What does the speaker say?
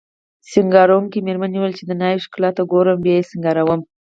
سینګاروونکې میرمنې وویل چې د ناوې ښکلا ته ګورم بیا یې سینګاروم